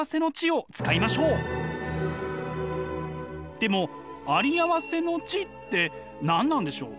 でもあり合わせの知って何なんでしょう？